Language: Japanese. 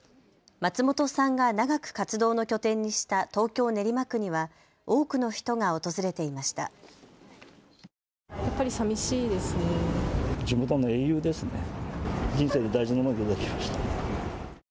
松本さんが長く活動の拠点にした東京練馬区には多くの人が訪れていました。